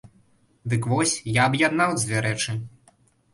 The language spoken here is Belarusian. Дык вось, я аб'яднаў дзве рэчы.